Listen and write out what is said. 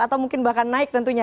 atau mungkin bahkan naik tentunya